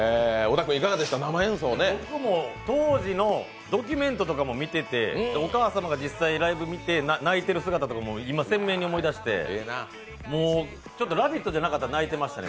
僕も当時のドキュメントとかも見ててお母様が実際ライブ見て泣いてる姿とかも今、鮮明に思い出して、「ラヴィット！」じゃなかったら泣いてましたね。